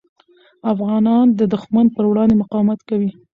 افغانان د دښمن پر وړاندې مقاومت کوي.